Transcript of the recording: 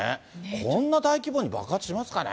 こんな大規模に爆発しますかね。